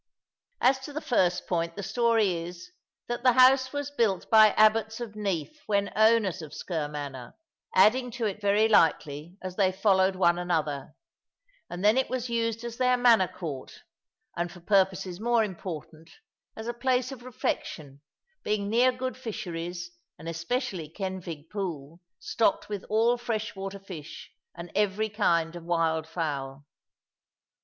As to the first point, the story is, that the house was built by abbots of Neath, when owners of Sker manor, adding to it, very likely, as they followed one another; and then it was used as their manor court, and for purposes more important, as a place of refection, being near good fisheries, and especially Kenfig Pool, stocked with all fresh water fish, and every kind of wild fowl.